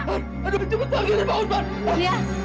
aduh cukup sakit